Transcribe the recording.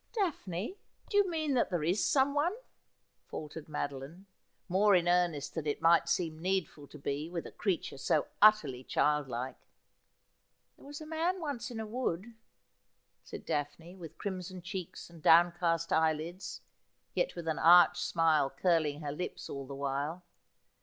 'Daphne, do you mean that there is someone?' faltered Madoline, more in earnest than it might seem needful to be with a creature so utterly childlike. ' There was a man once in a wood,' said Daphne, with crim son cheeks and downcast eyelids, yet with an arch smile curling her lips all the while.